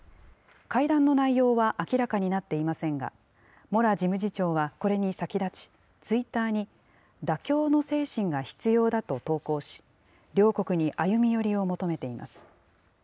会談の内容は明らかになっていませんが、モラ事務次長はこれに先立ち、ツイッターに、妥協の精神が必要だと投稿し、両国に歩み寄りを求めています。